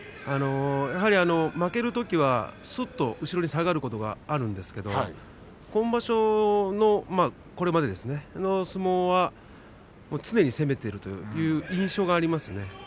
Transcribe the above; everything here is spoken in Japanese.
やはり負けるときはすっと後ろに下がることがあるんですが今場所はこれまでですね常に攻めているという印象がありますね。